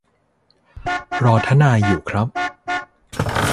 รอทนายอยู่ครับ